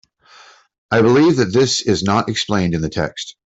I believe that this is not explained in the text.